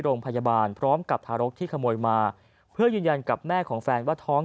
โรงพยาบาลพร้อมกับทารกที่ขโมยมาเพื่อยืนยันกับแม่ของแฟนว่าท้อง